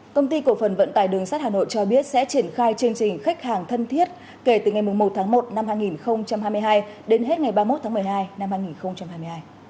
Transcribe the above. công ty cổ phần vận tài đường sắt hà nội cho biết sẽ triển khai chương trình khách hàng thân thiết kể từ ngày một tháng một năm hai nghìn hai mươi hai đến hết ngày ba mươi một tháng một mươi hai năm hai nghìn hai mươi hai